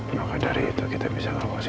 maka dari itu kita bisa ngawasi musuh kita